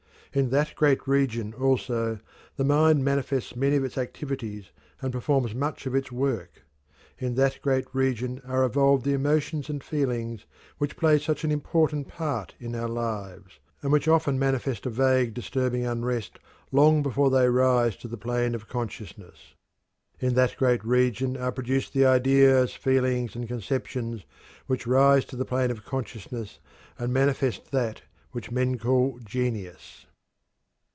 In that great region, also, the mind manifests many of its activities and performs much of its work. In that great region are evolved the emotions and feelings which play such an important part in our lives, and which often manifest a vague disturbing unrest long before they rise to the plane of consciousness. In that great region are produced the ideas, feelings, and conceptions which arise to the plane of consciousness and manifest that which men call "genius."